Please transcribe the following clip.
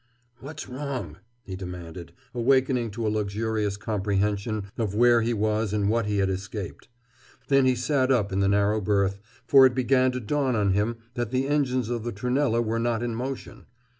"What's wrong?" he demanded, awakening to a luxurious comprehension of where he was and what he had escaped. Then he sat up in the narrow berth, for it began to dawn on him that the engines of the Trunella were not in motion.